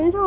chị sợ ư